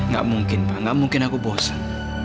gak mungkin pak nggak mungkin aku bosan